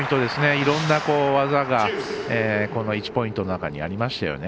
いろんな技がこの１ポイントの中にありましたよね。